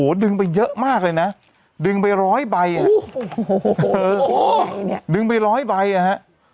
ดึงไปเยอะมากเลยนะดึงไปร้อยใบอ่ะโอ้โหเนี่ยดึงไปร้อยใบอ่ะฮะ